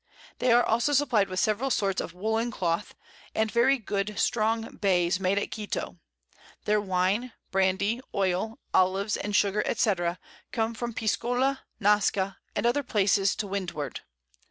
They are also supplied with several sorts of Woollen Cloth, and very good strong Bays made at Quito; their Wine, Brandy, Oil, Olives and Sugar, &c. come from Piscola, Nasca, and other Places to Windward.